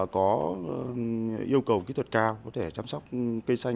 có yêu cầu kỹ thuật cao có thể chăm sóc cây xanh